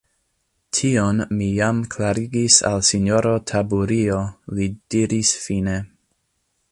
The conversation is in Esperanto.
Tion mi jam klarigis al sinjoro Taburio, li diris fine.